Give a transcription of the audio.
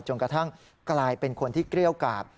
จนกระทั่งกลายเป็นคนที่เกรี้ยวกาด